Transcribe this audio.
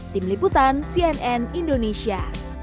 tim liputan cnn indonesia